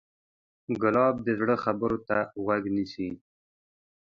ګلاب د زړه خبرو ته غوږ نیسي.